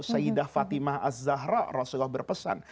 sayyidah fatimah az zahra rasulullah berpesan